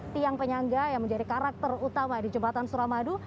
tiang penyangga yang menjadi karakter utama di jembatan suramadu